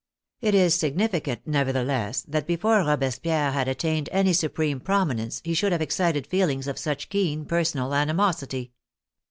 It is significant, nevertheless, that before Robes pierre had attained any supreme prominence he should have excited feelings of such keen personal animosity.